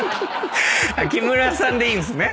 木村さんでいいんすね？